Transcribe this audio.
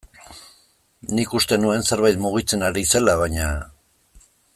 Nik uste nuen zerbait mugitzen ari zela, baina...